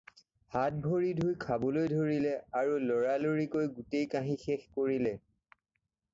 হাত-ভৰি ধুই খাবলৈ ধৰিলে আৰু ল'ৰালৰিকৈ খাই গোটেই কাঁহী শেষ কৰিলে।